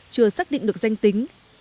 chưa xác định được danh tính